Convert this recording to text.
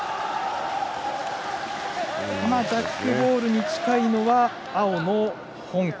今、ジャックボールに近いのは青の香港。